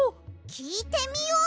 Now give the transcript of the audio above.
きいてみよう！